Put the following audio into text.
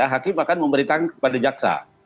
hakim akan memberitakan kepada jaksa